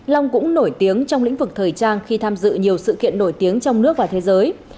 long cũng nổi tiếng trong lĩnh vực thời trang khi tham dự nhiều sự kiện nổi tiếng trong nước và thế giới